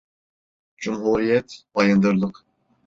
Cumhuriyet, bayındırlık…